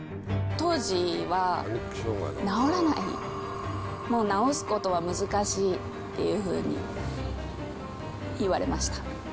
当時は治らない、もう治すことは難しいっていうふうに言われました。